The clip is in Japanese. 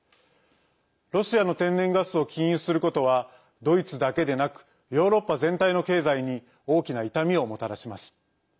ロシアの天然ガスを禁輸することはドイツだけでなくヨーロッパ全体の経済に大きな痛みをもたらします。